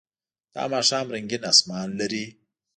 دا ماښام رنګین آسمان لري.